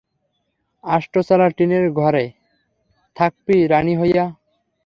আষ্টচালা টিনের ঘরে থাকপি রানী হইয়া।